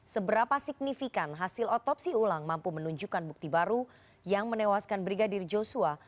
seberapa signifikan hasil otopsi ulang mampu menunjukkan bukti baru yang menewaskan brigadir joshua